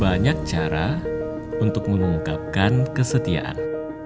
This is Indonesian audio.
banyak cara untuk mengungkapkan kesetiaan